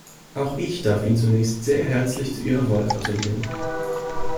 Auch ich darf Ihnen zunächst sehr herzlich zu Ihrer Wahl gratulieren.